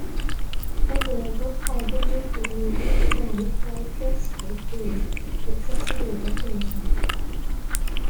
A wave of Albanian illegal economic migrants to Greece exacerbated tensions.